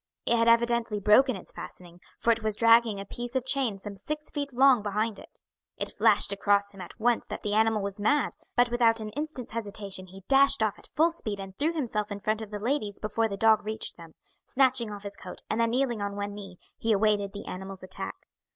It had evidently broken its fastening, for it was dragging a piece of chain some six feet long behind it. It flashed across him at once that the animal was mad, but without an instant's hesitation he dashed off at full speed and threw himself in front of the ladies before the dog reached them. Snatching off his coat, and then kneeling on one knee, he awaited the animal's attack.